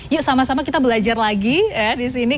yuk sama sama kita belajar lagi ya di sini